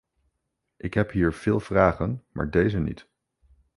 Ik heb hier veel vragen, maar deze niet.